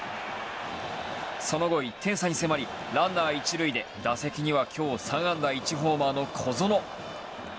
その後、１点差に迫りランナー一塁で打席には今日３安打１ホーマーの小園。